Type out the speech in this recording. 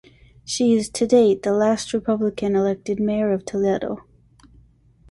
She is to date the last Republican elected mayor of Toledo.